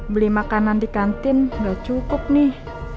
beli makanan di kantin nggak cukup nih